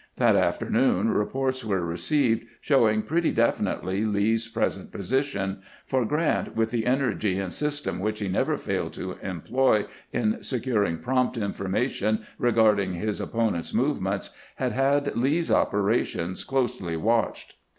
That after noon reports were received showing pretty definitely Lee's present position ; for Grant, with the energy and system which he never failed to employ in seciiring prompt information regarding his opponent's move ments, had had Lee's operations closely watched.